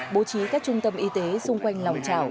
bố trí các trung tâm y tế xung quanh lòng trào